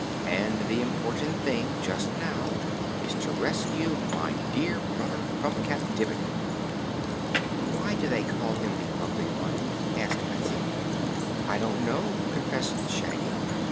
And the important thing just now is to rescue my dear brother from captivity." "Why do they call him the Ugly One?" asked Betsy. "I do not know," confessed Shaggy.